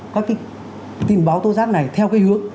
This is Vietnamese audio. các tin báo tố giác này theo cái hướng